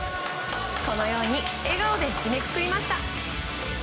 このように笑顔で締めくくりました。